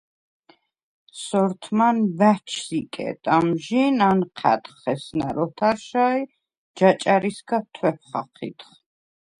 სორთმან ბა̈ჩს იკედ, ამჟი̄ნ ანჴა̈დხ ესნა̈რ ოთარშა ი ჯაჭა̈რისგა თუ̂ეფ ხაჴიდხ.